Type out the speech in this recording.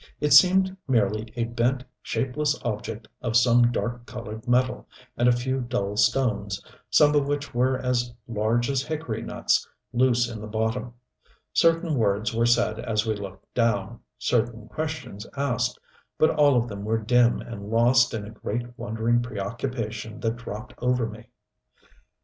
It seemed merely a bent, shapeless object of some dark colored metal, and a few dull stones, some of which were as large as hickory nuts, loose in the bottom. Certain words were said as we looked down, certain questions asked but all of them were dim and lost in a great, wondering preoccupation that dropped over me.